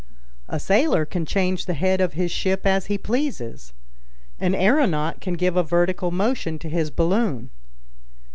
A sailor can change the head of his ship as he pleases; an aeronaut can give a vertical motion to his balloon.